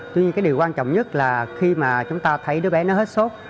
tuy nhiên cái điều quan trọng nhất là khi mà chúng ta thấy đứa bé nó hết sốt